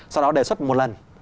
sau đó đề xuất một lần